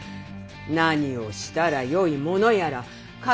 何をしたらよいものやら皆目見当が。